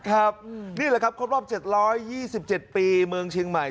ครับนี่แหละครับครบรอบ๗๒๗ปีเมืองเชียงใหม่